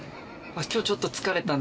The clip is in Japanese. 「今日ちょっと疲れたな。